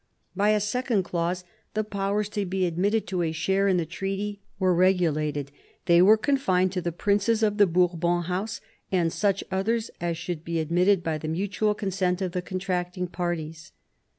By a second clause, the Powers to be admitted to a share in the treaty were regulated. They were confined to the princea of the Bourbon House, and such others as should be admitted by the mutual consent of the contracting parties.